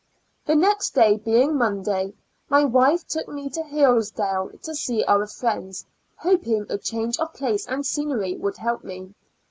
The next day being Monday, my wife took me to Hillsdale to see our friends, hoping a change of place and scenery would help me.